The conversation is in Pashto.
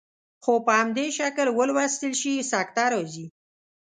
خو په همدې شکل ولوستل شي سکته راځي.